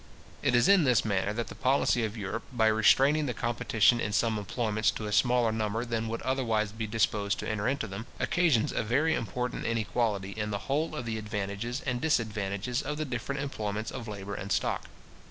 It is in this manner that the policy of Europe, by restraining the competition in some employments to a smaller number than would otherwise be disposed to enter into them, occasions a very important inequality in the whole of the advantages and disadvantages of the different employments of labour and stock.